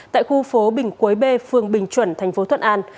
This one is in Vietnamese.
tại khu phố bình quế b phường bình chuẩn thành phố thuận an